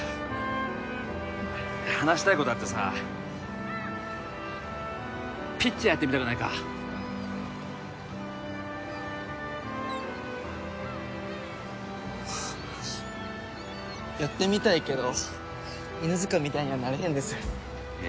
話したいことあってさピッチャーやってみたくないかやってみたいけど犬塚みたいにはなれへんですいや